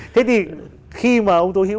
thế thì khi mà ông tố hiếu